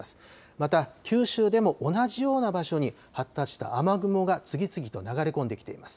また、九州でも同じような場所に発達した雨雲が次々と流れ込んできています。